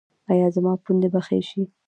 ایا زما پوندې به ښې شي؟